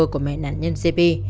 của mẹ nạn nhân giê bê